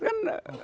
itu kan tidak